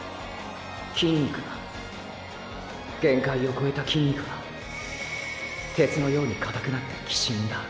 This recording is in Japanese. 筋肉が限界を超えた筋肉が鉄のように硬くなってきしむんだ。